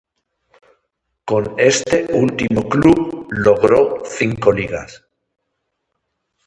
Con este último club logró cinco ligas.